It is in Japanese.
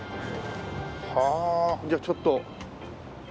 はあじゃあちょっと。